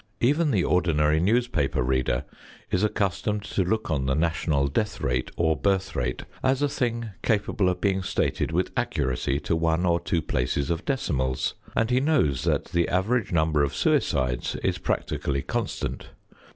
Even the ordinary newspaper reader is accustomed to look on the national death rate or birth rate as a thing capable of being stated with accuracy to one or two places of decimals, and he knows that the annual number of suicides is practically constant.